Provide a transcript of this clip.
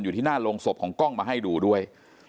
อยู่ที่หน้าโรงศพของกล้องมาให้ดูด้วย